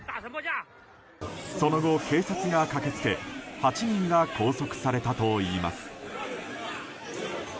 その後、警察が駆け付け８人が拘束されたといいます。